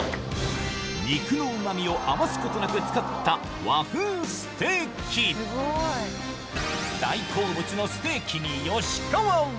肉のうま味を余すことなく使った大好物のステーキに吉川は？